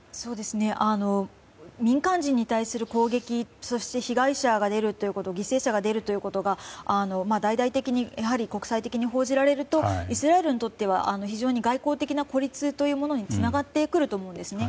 民間人に対する攻撃そして被害者が出る犠牲者が出るということが大々的に国際的に報じられるとイスラエルにとっては非常に外交的な孤立につながってくると思うんですね。